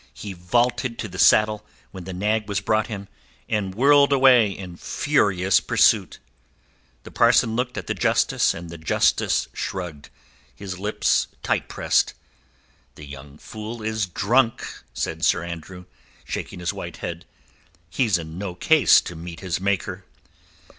He vaulted to the saddle when the nag was brought him, and whirled away in furious pursuit. The parson looked at the Justice and the Justice shrugged, his lips tight pressed. "The young fool is drunk," said Sir Andrew, shaking his white head. "He's in no case to meet his Maker."